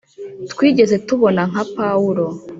twigeze tubona nka pawulo.